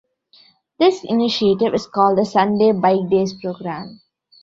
This initiative is called the Sunday Bikedays Program.